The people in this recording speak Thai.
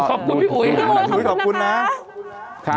ขอบคุณพี่อุ๊ยขอบคุณค่ะ